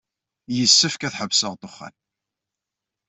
Yessefk ad ḥebseɣ ddexxan.